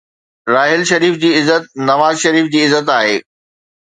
راحيل شريف جي عزت نواز شريف جي عزت آهي.